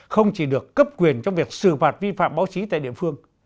không chỉ được cấp quyền trong việc xử phạt vi phạm báo chí tại địa phương